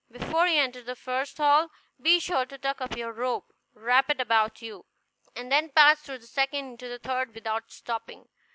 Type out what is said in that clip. Before you enter the first hall, be sure to tuck up your robe, wrap it about you, and then pass through the second into the third without stopping.